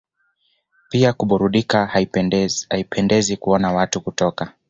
na pia kuburudika Haipendezi kuona watu kutoka